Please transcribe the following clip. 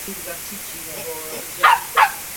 Tento návrh tedy nemá logiku a není konzistentní.